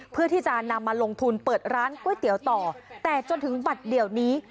เพื่อที่จะนำมาลงทุนเปิดร้านก๋วยเตี๋ยวต่อแต่จนถึงบัตรเดี่ยวนี้